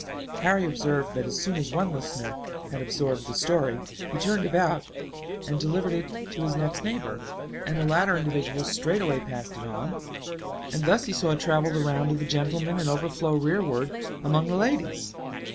Harry observed that as soon as one listener had absorbed the story, he turned about and delivered it to his next neighbor and the latter individual straightway passed it on. And thus he saw it travel the round of the gentlemen and overflow rearward among the ladies.